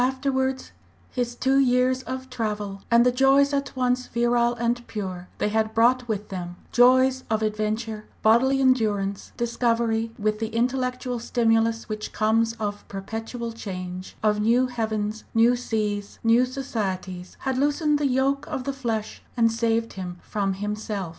Afterwards, his two years of travel, and the joys at once virile and pure they had brought with them, joys of adventure, bodily endurance, discovery, together with the intellectual stimulus which comes of perpetual change, of new heavens, new seas, new societies, had loosened the yoke of the flesh and saved him from himself.